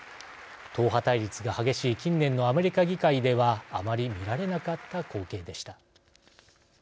党派対立が激しい近年のアメリカ議会ではあまり見られなかった光景でした。